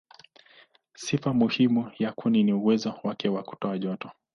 Sifa muhimu ya kuni ni uwezo wake wa kutoa joto.